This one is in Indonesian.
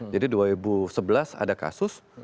jadi dua ribu sebelas ada kasus